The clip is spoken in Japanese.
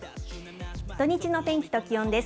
土日の天気と気温です。